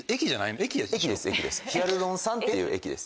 ヒアルロン酸っていう液です。